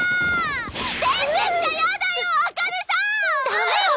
ダメよ